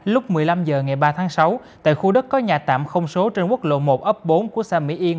lúc một mươi năm h ngày ba tháng sáu tại khu đất có nhà tạm không số trên quốc lộ một ấp bốn của xã mỹ yên